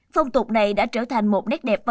phong tục này đã trở thành một nét đẹp văn hóa